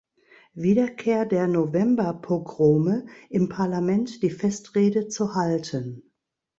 Wiederkehr der Novemberpogrome im Parlament die Festrede zu halten.